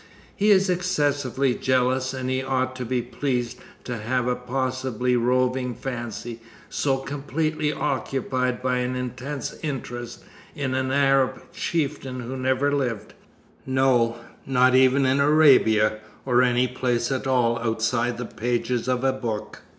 He is excessively jealous, and he ought to be pleased to have a possibly roving fancy so completely occupied by an intense interest in an Arab chieftain who never lived no, not even in Arabia or any place at all outside the pages of a book.